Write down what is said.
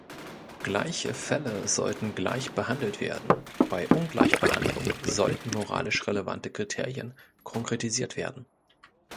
Gleiche Fälle sollten gleich behandelt werden, bei Ungleichbehandlung sollten moralisch relevante Kriterien konkretisiert werden.